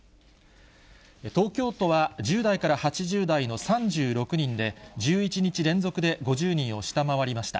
東京都は１０代から８０代の３６人で、１１日連続で５０人を下回りました。